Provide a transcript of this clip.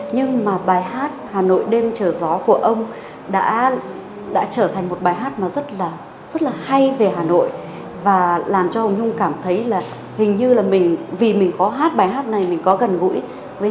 nhưng mà bài hát hà nội đêm trở gió của ông đã trở thành một bài hát rất là đẹp